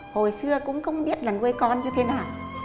hồi xưa cũng không biết là nuôi con như thế nào